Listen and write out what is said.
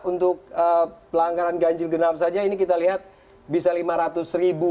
untuk pelanggaran ganjil genap saja ini kita lihat bisa lima ratus ribu